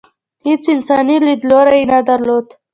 هېڅ انساني لیدلوری یې نه درلود.